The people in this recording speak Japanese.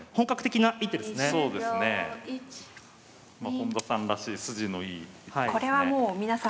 本田さんらしい筋のいい一手ですね。